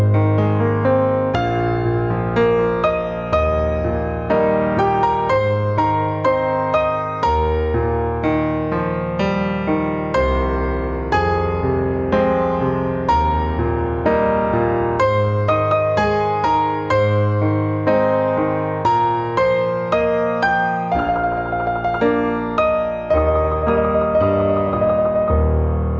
โปรดติดตามตอนต่อไป